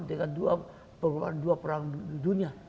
dengan dua perang dunia